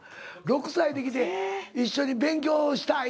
６歳で来て「一緒に勉強したい」